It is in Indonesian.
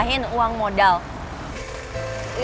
ini uang modalnya